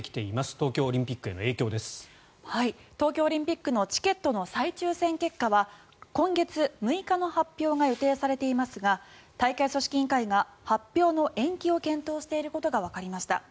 東京オリンピックのチケットの再抽選結果は今月６日の発表が予定されていますが大会組織委員会が発表の延期を検討していることがわかりました。